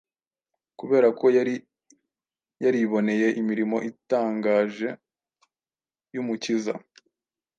Kubera ko yari yariboneye imirimo itangaje y’Umukiza,